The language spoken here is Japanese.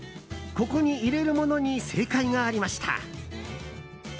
ここに入れるものに正解がありました。